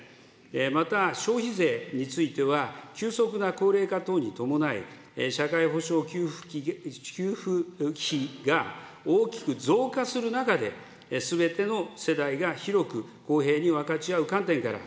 また、消費税については急速な高齢化等に伴い、社会保障給付費が大きく増加する中で、すべての世代が広く、公平に分かち合う観点から、